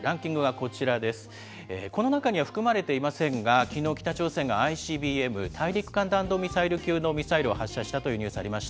この中には含まれていませんが、きのう北朝鮮がＩＣＢＭ・大陸間弾道ミサイル級のミサイルを発射したというニュースありました。